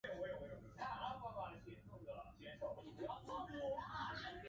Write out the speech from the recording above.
全面强化不足的基础建设